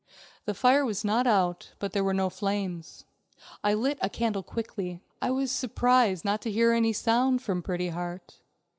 The fire was not out, but there were no flames. I lit a candle quickly. I was surprised not to hear any sound from Pretty Heart.